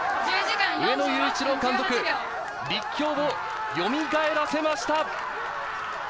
上野裕一郎監督、立教をよみがえらせました。